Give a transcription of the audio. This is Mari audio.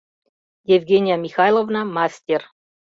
Евгения Михайловна, мастер.